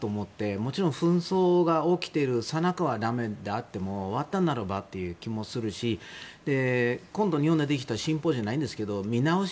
もちろん紛争が起きているさなかはだめであっても終わったならばという気もするし今度、日本でできた新法じゃないですけど見直し